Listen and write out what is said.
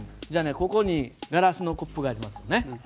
ここにガラスのコップがありますよね。